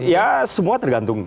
ya semua tergantung